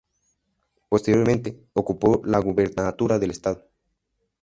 Posteriormente, ocupó la gubernatura del Estado.